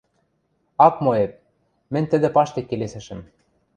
— Ак моэп, — мӹнь тӹдӹ паштек келесӹшӹм.